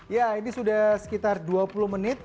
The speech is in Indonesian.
ya ini sudah sekitar dua puluh menit